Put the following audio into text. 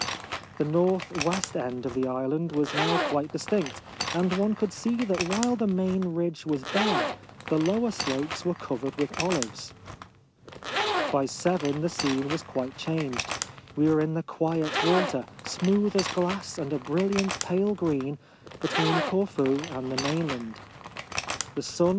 The north west end of the island was now quite distinct ; and one could see that while the main ridge was bare, the lower slopes were covered with olives. By seven the scene was quite changed. We were in the quiet water — smooth as glass, and a brilliant pale green — between Corfu and the mainland. The sun.